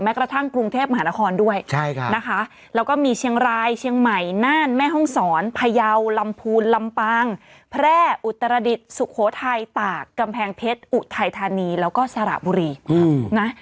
กระทั่งกรุงเทพมหานครด้วยนะคะแล้วก็มีเชียงรายเชียงใหม่น่านแม่ห้องศรพยาวลำพูนลำปางแพร่อุตรดิษฐ์สุโขทัยตากกำแพงเพชรอุทัยธานีแล้วก็สระบุรีนะ